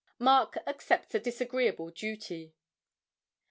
MARK ACCEPTS A DISAGREEABLE DUTY.